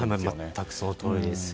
全くそのとおりです。